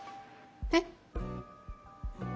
えっ？